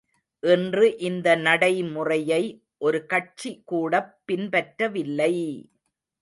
இன்று இந்த நடைமுறையை ஒரு கட்சி கூடப் பின்பற்றவில்லை!